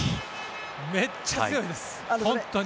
めっちゃ強いです本当に。